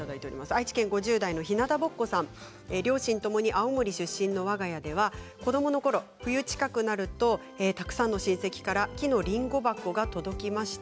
愛知県５０代の方、両親ともに青森出身のわが家では子どものころ、冬近くなるとたくさんの親戚から木のりんご箱が届きました。